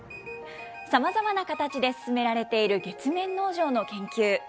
さまざまな形で進められている月面農場の研究。